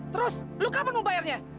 terus lu kapan mau bayarnya